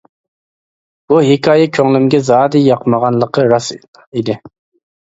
بۇ ھېكايە كۆڭلۈمگە زادى ياقمىغانلىقى راست ئىدى.